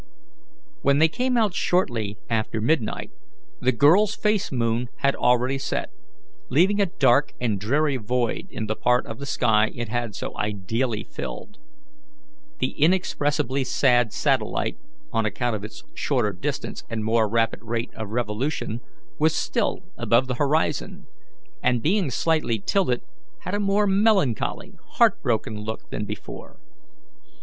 When they came out shortly after midnight the girl's face moon had already set, leaving a dark and dreary void in the part of the sky it had so ideally filled. The inexpressibly sad satellite (on account of its shorter distance and more rapid rate of revolution) was still above the horizon, and, being slightly tilted, had a more melancholy, heart broken look than before.